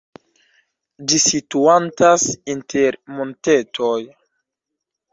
Ĝi situantas inter montetoj.